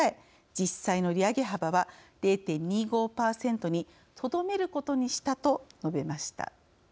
実際の利上げ幅は０．２５％にとどめることにしたと述べました。